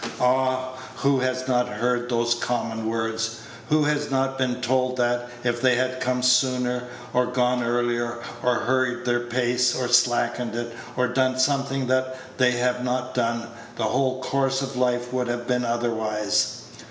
Ah! who has not heard those common words? Who has not been told that, if they had come sooner, or gone earlier, or hurried their pace, or slackened it, or done something that they have not done, the whole course of life would have been otherwise?